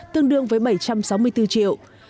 tương đương với bảy trăm sáu mươi bốn triệu